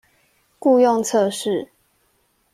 雇用測試